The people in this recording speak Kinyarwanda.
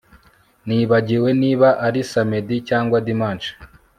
Nibagiwe niba ari samedi cyangwa dimanche